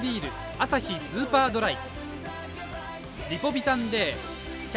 「アサヒスーパードライ」